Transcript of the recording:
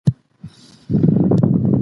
هغې حلاله او پاکه روزي ګټلې وه.